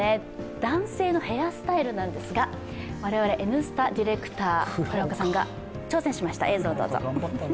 男性のヘアスタイルなんですが、我々「Ｎスタ」倉岡ディレクターが挑戦しました。